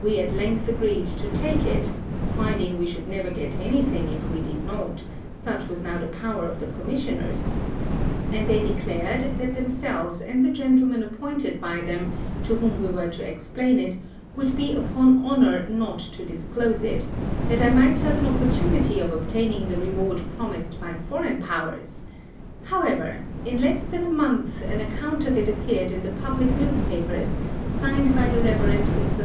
We at length agreed to take it (finding we should never get any Thing if we did not, such was now the Power of the Commissioners) and they declared that themselves and the Gentlemen appointed by them to whom we were to explain it, would be upon Honour not to disclose it, that I might have an Opportunity of obtaining the Reward promised by foreign Powers; however, in less than a Month an Account of it appeared in the public News Papers, signed by the Rev. Mr.